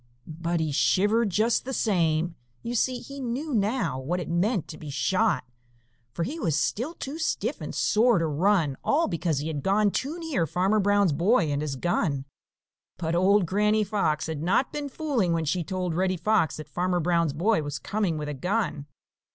But he shivered just the same. You see, he knew now what it meant to be shot, for he was still too stiff and sore to run, all because he had gone too near Farmer Brown's boy and his gun. But old Granny Fox had not been fooling when she told Reddy Fox that Farmer Brown's boy was coming with a gun.